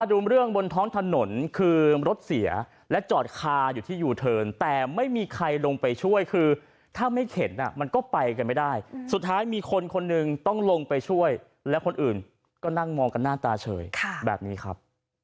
ดูเรื่องบนท้องถนนคือรถเสียและจอดคาอยู่ที่ยูเทิร์นแต่ไม่มีใครลงไปช่วยคือถ้าไม่เข็นมันก็ไปกันไม่ได้สุดท้ายมีคนคนหนึ่งต้องลงไปช่วยและคนอื่นก็นั่งมองกันหน้าตาเฉยแบบนี้ครับ